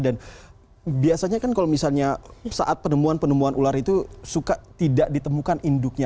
dan biasanya kan kalau misalnya saat penemuan penemuan ular itu suka tidak ditemukan induknya